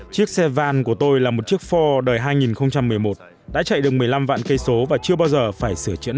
chiếc xe van của tôi là một chiếc phour đời hai nghìn một mươi một đã chạy được một mươi năm vạn cây số và chưa bao giờ phải sửa chữa lại